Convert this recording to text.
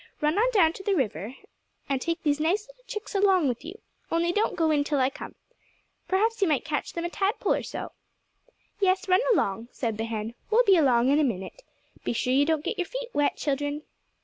Run on down to the river, and take these nice little chicks along with you—only don't go in till I come. Perhaps you might catch them a tadpole or so." "Yes, run along," said the hen. "We'll be along in a minute. Be sure you don't get your feet wet, children."